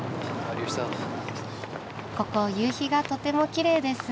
ここ夕日がとてもきれいですね。